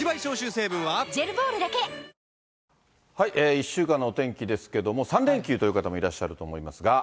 １週間のお天気ですけども、３連休という方もいらっしゃるかと思いますが。